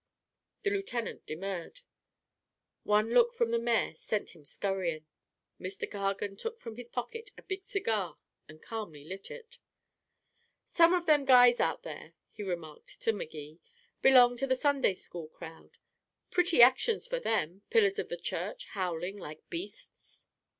The lieutenant demurred. One look from the mayor sent him scurrying. Mr. Cargan took from his pocket a big cigar, and calmly lighted it. "Some of them guys out there," he remarked to Magee, "belong to the Sunday school crowd. Pretty actions for them pillars of the church howling like beasts."